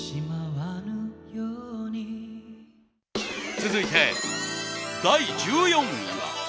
続いて第１４位は。